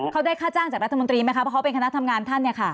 เขาได้ค่าจ้างจากรัฐมนตรีไหมคะเพราะเขาเป็นคณะทำงานท่าน